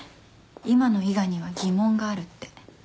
今の伊賀には疑問があるって。